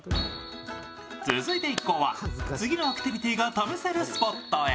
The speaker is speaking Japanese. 続いて一行は次のアクティビティが楽しめるスポットへ。